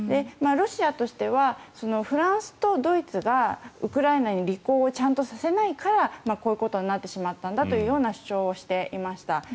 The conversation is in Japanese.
ロシアとしてはフランスとドイツがウクライナに履行をちゃんとさせないからこういうことになってしまったんだというような主張をしていました。